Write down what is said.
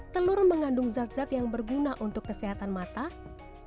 telur mengandung zat zat yang berguna untuk kesehatan matang